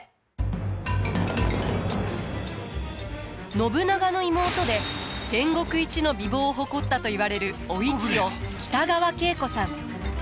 信長の妹で戦国一の美貌を誇ったといわれるお市を北川景子さん。